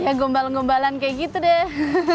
ya gombal gombalan kayak gitu deh